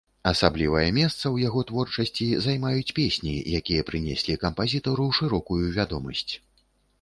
Асаблівае месца ў яго творчасці займаюць песні, якія прынеслі кампазітару шырокую вядомасць.